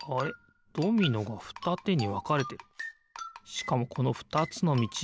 しかもこのふたつのみち